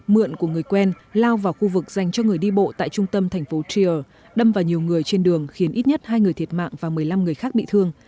mượn của người quen lao vào khu vực dành cho người đi bộ tại trung tâm thành phố tria đâm vào nhiều người trên đường khiến ít nhất hai người thiệt mạng và một mươi năm người khác bị thương